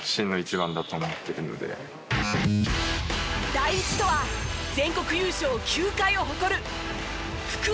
「第一」とは全国優勝９回を誇る福岡第一。